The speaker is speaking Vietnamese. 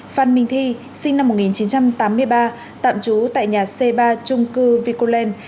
phan minh thi sinh năm một nghìn chín trăm tám mươi ba tạm trú tại nhà c ba trung cư vicoland